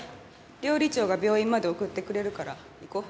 料理長が病院まで送ってくれるから行こう？